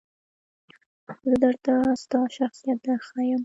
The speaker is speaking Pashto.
زه درته ستا شخصیت درښایم .